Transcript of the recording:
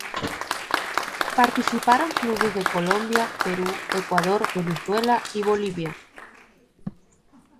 Participaron clubes de Colombia, Perú, Ecuador, Venezuela y Bolivia.